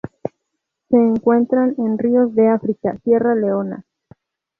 Se encuentran en ríos de África: Sierra Leona.